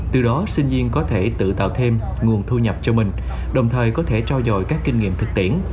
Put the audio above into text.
từ đó sinh viên có thể tự tạo thêm nguồn thu nhập cho mình đồng thời có thể trao dồi các kinh nghiệm thực tiễn